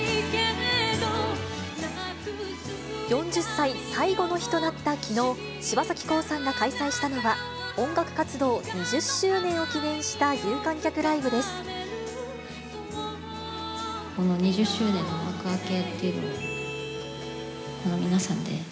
４０歳最後の日となったきのう、柴咲コウさんが開催したのは、音楽活動２０周年を記念した有観客ライブです。